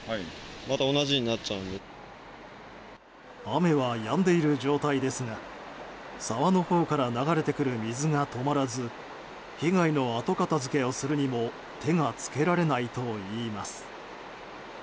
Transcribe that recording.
雨はやんでいる状態ですが沢のほうから流れてくる水が止まらず被害の後片付けをするにも手が付けられないといいます。